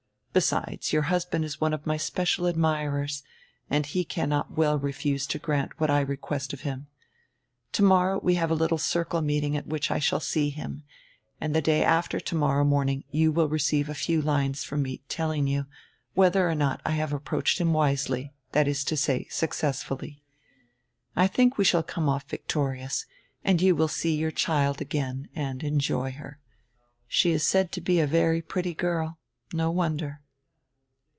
Besides, your husband is one of my special admirers and he cannot well refuse to grant what I request of him. Tomorrow we have a little circle meeting at which I shall see him and the day after tomorrow morning you will receive a few lines from me telling you whether or not I have approached him wisely, that is to say, successfully. I think we shall come off victorious, and you will see your child again and enjoy her. She is said to be a very pretty girl. No wonder."